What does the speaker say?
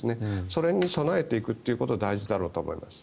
それに備えていくことが大事だろうと思います。